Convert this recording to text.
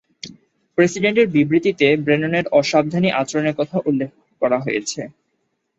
প্রেসিডেন্টের বিবৃতিতে ব্রেননের অসাবধানী আচরণের কথা উল্লেখ করা হয়েছে।